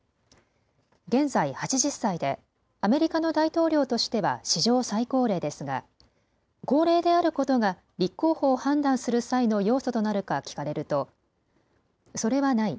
現在８０歳でアメリカの大統領としては史上最高齢ですが高齢であることが立候補を判断する際の要素となるか聞かれるとそれはない。